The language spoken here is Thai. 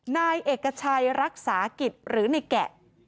นายเอกชัยรักษากิจหรือในแกะ